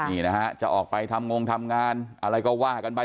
นี่นะฮะจะออกไปทำงงทำงานอะไรก็ว่ากันไป